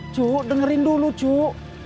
cuk dengerin dulu cuk